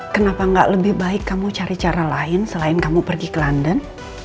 kenapa gak lebih baik kamu cari cara lain selain kamu pergi ke london